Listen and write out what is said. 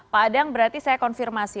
pak adang berarti saya konfirmasi